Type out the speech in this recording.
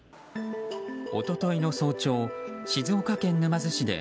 一昨日の早朝、静岡県沼津市で